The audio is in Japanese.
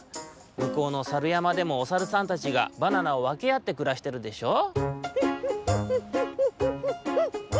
むこうのさるやまでもおさるさんたちがバナナをわけあってくらしてるでしょう？」。